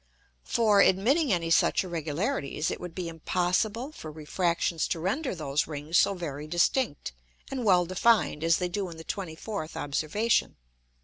For, admitting any such irregularities, it would be impossible for Refractions to render those Rings so very distinct, and well defined, as they do in the 24th Observation.